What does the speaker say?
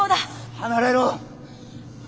離れろ。